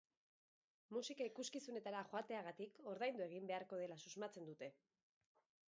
Musika ikuskizunetara joategatik ordaindu egin beharko dela susmatzen dute.